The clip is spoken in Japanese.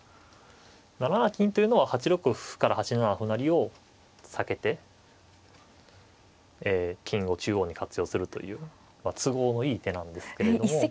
７七金というのは８六歩から８七歩成を避けて金を中央に活用するという都合のいい手なんですけれども。